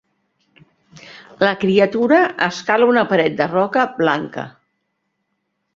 La criatura escala una paret de roca blanca.